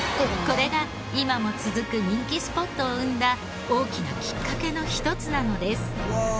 これが今も続く人気スポットを生んだ大きなきっかけの一つなのです。